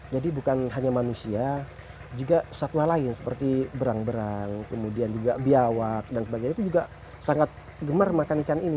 jadi bukan hanya manusia juga satwa lain seperti berang berang kemudian juga biawat dan sebagainya itu juga sangat gemar makan ikan ini